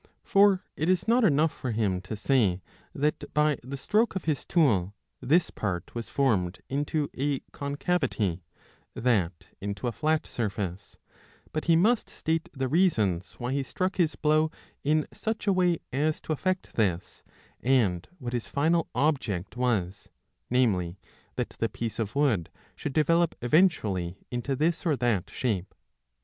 ^^ For it is not enough for him to say that by the stroke of his tool this part was formed into a con cavity, that into a flat surface ; but he must state the reasons why he struck his blow in such a way as to effect this, and what his final object was; namely, that the piece of wood should develop eventually into this or that shape.